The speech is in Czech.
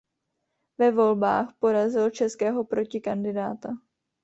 Ve volbách porazil českého protikandidáta.